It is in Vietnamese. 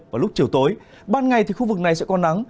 vào lúc chiều tối ban ngày thì khu vực này sẽ có nắng